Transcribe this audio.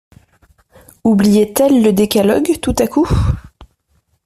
Oubliait-elle le décalogue, tout à coup?